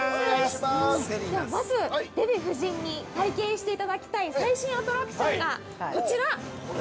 では、まずデヴィ夫人に体験していただきたい最新アトラクションがこちら！